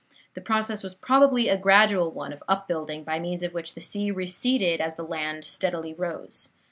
The process was probably a gradual one of up building, by means of which the sea receded as the land steadily rose.